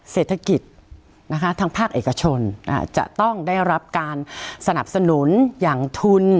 เศรษฐกิจนะคะทางภาคเอกชนจะต้องได้รับการสนับสนุนอย่างทุน